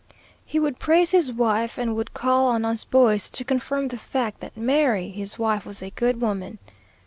He would praise his wife, and would call on us boys to confirm the fact that Mary, his wife, was a good woman.